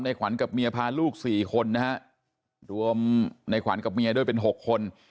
ขวัญกับเมียพาลูกสี่คนนะฮะรวมในขวัญกับเมียด้วยเป็น๖คน